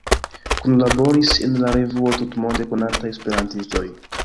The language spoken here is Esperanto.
Kunlaboris en la revuo tutmonde konataj esperantistoj.